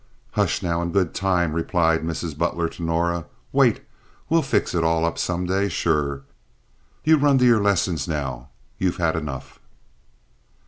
"Hush now! In good time," replied Mrs. Butler to Norah. "Wait. We'll fix it all up some day, sure. You run to your lessons now. You've had enough."